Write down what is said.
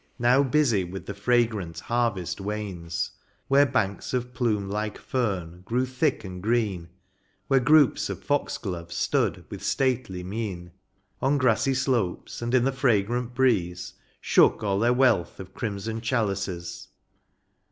Now busy with the fragrant harvest wains. Where banks of plume like fern grew thick and green, Where groups of foxgloves stood with stately mien On grassy slopes, and in the vagrant breeze Shook all their wealth of crimson chalices.